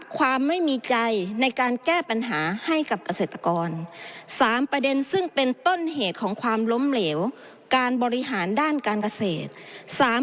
ความไม่มีใจในการแก้ปัญหาให้กับเกษตรกร๓ประเด็นซึ่งเป็นต้นเหตุของความล้มเหลวการบริหารด้านการเกษตร